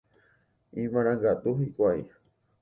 Imarangatu hikuái.